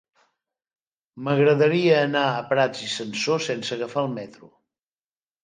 M'agradaria anar a Prats i Sansor sense agafar el metro.